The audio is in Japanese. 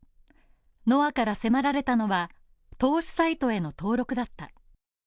ノアから迫られたのは、投資サイトへの登録だった。